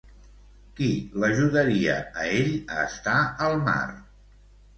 Qui l'ajudaria a ell a estar al mar?